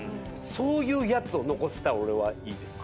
そういうやつを残せたら俺はいいです。